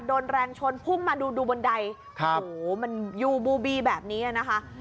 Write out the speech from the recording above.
โดนแรงชนพุ่งมาดูดูบนใดโอ้โหมันยูบูบีแบบนี้นะคะ